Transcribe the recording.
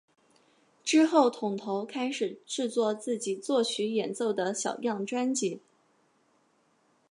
之后桶头开始制作自己作曲演奏的小样专辑。